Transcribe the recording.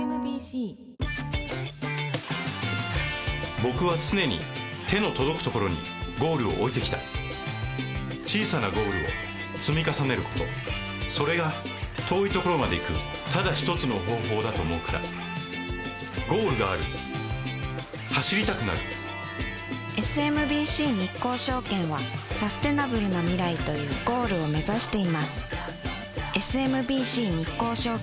僕は常に手の届くところにゴールを置いてきた小さなゴールを積み重ねることそれが遠いところまで行くただ一つの方法だと思うからゴールがある走りたくなるＳＭＢＣ日興証券はサステナブルな未来というゴールを目指していますＳＭＢＣ日興証券